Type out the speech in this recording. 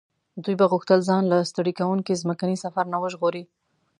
دوی به غوښتل ځان له ستړي کوونکي ځمکني سفر نه وژغوري.